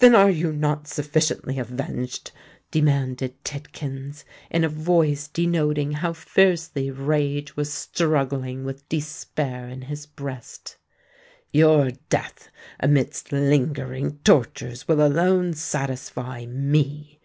"Then are you not sufficiently avenged?" demanded Tidkins, in a voice denoting how fiercely rage was struggling with despair in his breast. "Your death, amidst lingering tortures, will alone satisfy me!"